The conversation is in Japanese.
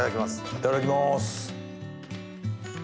いただきます。